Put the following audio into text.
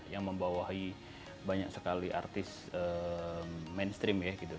yang membawahi banyak sekali artis mainstream ya gitu